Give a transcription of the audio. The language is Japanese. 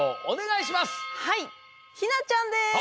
おっひなちゃん！